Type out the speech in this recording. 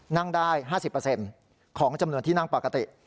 นั่งได้๕๐ของจำนวนที่นั่งปกติ